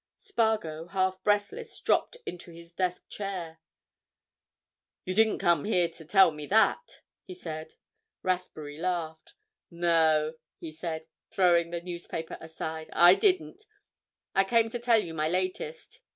Spargo, half breathless, dropped into his desk chair. "You didn't come here to tell me that," he said. Rathbury laughed. "No," he said, throwing the newspaper aside, "I didn't. I came to tell you my latest.